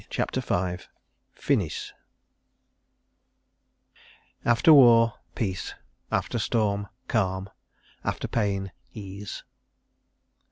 CHAPTER V Finis After war, peace; after storm, calm; after pain, ease.